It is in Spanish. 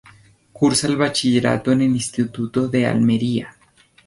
Cursa el bachillerato en el Instituto de Almería.